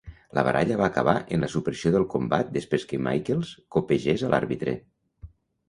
La baralla va acabar en la supressió del combat després que Michaels copegés a l'àrbitre.